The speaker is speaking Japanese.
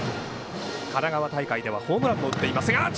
神奈川大会ではホームランを打っています。